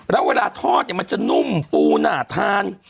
แล้วเวลาทอดเนี่ยมันจะนุ่มฟูน่าทาน